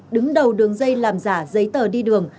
đứng đầu đường dây làm giả giấy tờ đi đường